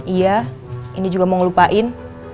iya ini juga mau ngelupain